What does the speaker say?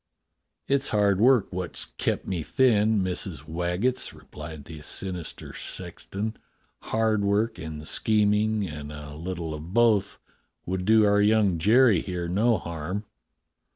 "It's hard work wot's kept me thin, Missus Wag getts," replied the sinister sexton; "hard work and scheming; and a little of both would do our young Jerry here no harm."